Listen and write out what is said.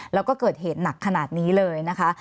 แล้วก็เกิดเหตุหนักขนาดนี้เลยนะคะ